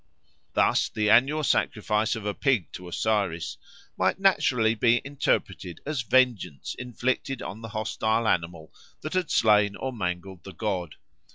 Thus, the annual sacrifice of a pig to Osiris might naturally be interpreted as vengeance inflicted on the hostile animal that had slain or mangled the god.